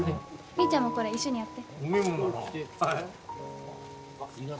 みーちゃんもこれ一緒にやって。